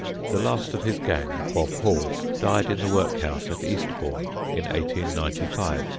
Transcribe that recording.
The last of his gang, Bob Hall, died in the workhouse at Eastbourne in 1895, aged ninety four.